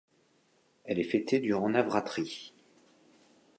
Elle est fêtée durant Navratri.